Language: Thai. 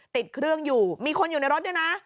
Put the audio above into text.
ติดเครื่องอยู่มีคนอยู่ในรถด้วยนะ